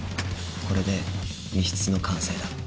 これで密室の完成だ。